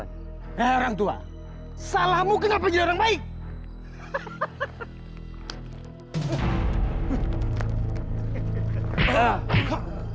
nah orang tua salahmu kenapa jarang baik